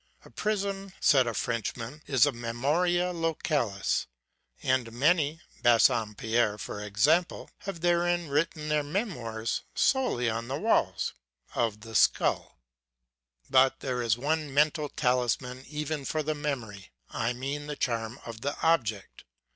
A prison, said a Frenchman, is a memoria localis ; and many, Bas sompierre for example, have therein written their memoirs solely on the walls ŌĆö of the skull. ┬¦143. But there is one mental talisman even for the memory, ŌĆö I mean the charm of the object.